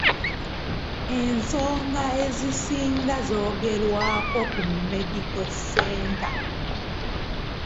Ensonga ezisinga zoogerwako ku Media Centre.